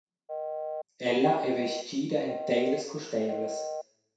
Ella ei vestgida en teilas custeivlas.